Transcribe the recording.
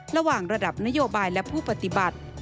ระหว่างระดับนโยบายและผู้ปฏิบัติ